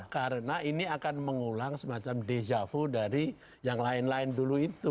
karena ini akan mengulang semacam deja vu dari yang lain lain dulu itu